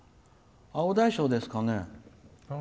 青大将ですかね。